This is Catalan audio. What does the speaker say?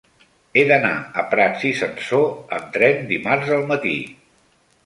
He d'anar a Prats i Sansor amb tren dimarts al matí.